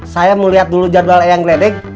saya mau lihat dulu jadwal eyang gledek